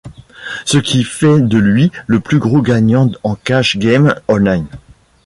Ce qui fait de lui le plus gros gagnant en cash game online.